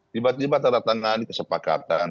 tiba tiba ternyata ini kesepakatan